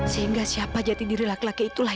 sehingga siapa jati diri laki laki itulah